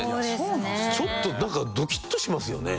ちょっとなんかドキッとしますよね。